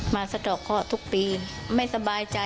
สะดอกเคาะทุกปีไม่สบายใจ